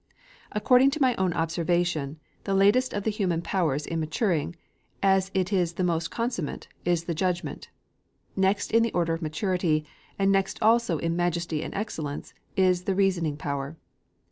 According to my own observation, the latest of the human powers in maturing, as it is the most consummate, is the Judgment. Next in the order of maturity, and next also in majesty and excellence, is the Reasoning power.